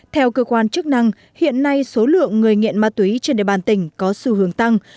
theo cơ quan chức năng hiện nay số lượng người nghiện ma túy trên địa bàn tỉnh có xu hướng tăng